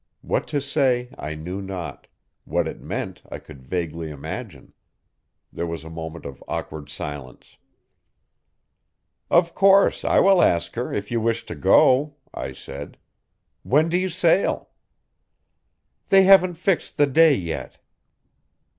What to say I knew not, what it meant I could vaguely imagine. There was a moment of awkward silence. 'Of course I will ask her if you wish to go,' I said. 'When do you sail? 'They haven't fixed the day yet.